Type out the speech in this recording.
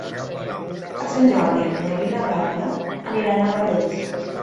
Per Sant Jordi en Nel i na Dàlia aniran a Vallés.